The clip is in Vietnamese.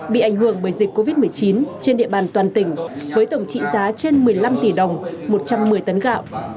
bị ảnh hưởng bởi dịch covid một mươi chín trên địa bàn toàn tỉnh với tổng trị giá trên một mươi năm tỷ đồng một trăm một mươi tấn gạo